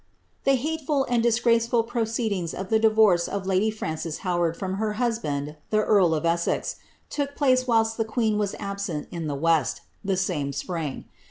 ^• The hateful and disgraceful proceedings of the divorce of lady Frances Howard from her husband* the earl of Essex, took place whilst the queen was absent in the west, the same spring.